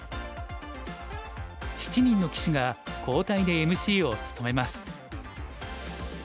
７人の棋士が交代でＭＣを務めます。